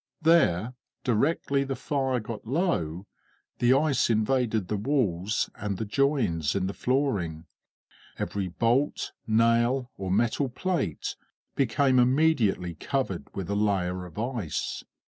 There, directly the fire got low, the ice invaded the walls and the joins in the flooring; every bolt, nail, or metal plate became immediately covered with a layer of ice.